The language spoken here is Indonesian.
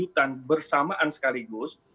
dan bersamaan sekaligus